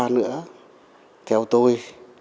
nữa theo tôi